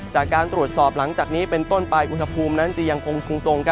จากการตรวจสอบหลังจากนี้เป็นต้นไปอุณหภูมินั้นจะยังคงทรง